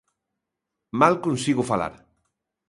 Mal consigo falar.